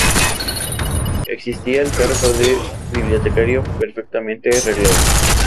Existía el cargo de bibliotecario perfectamente reglado.